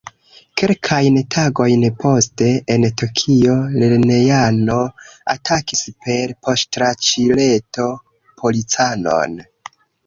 Kelkajn tagojn poste, en Tokio, lernejano atakis per poŝtranĉileto policanon.